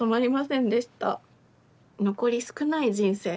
残り少ない人生